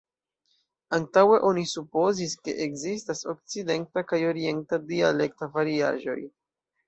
Antaŭe oni supozis, ke ekzistas okcidenta kaj orienta dialekta variaĵoj.